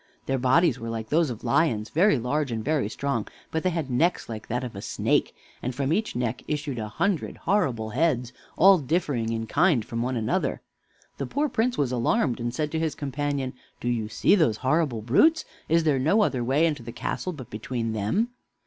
Their bodies were like those of lions, very large and very strong, but they had necks like that of a snake, and from each neck issued a hundred horrible heads, all differing in kind from one another. The poor Prince was alarmed, and said to his companion: "Do you see those horrible brutes? Is there no other way into the castle but between them?"